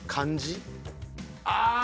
ああ！